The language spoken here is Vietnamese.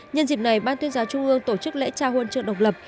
nhân dịp này ban tuyên giáo trung ương tổ chức lễ trao huân trường độc lập